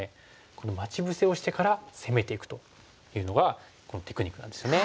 この待ち伏せをしてから攻めていくというのがこのテクニックなんですよね。